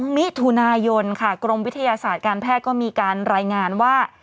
มิถุนายนค่ะกรมวิทยาศาสตร์การแพทย์ก็มีการรายงานว่า